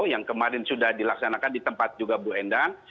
yang kemarin sudah dilaksanakan di tempat juga bu endang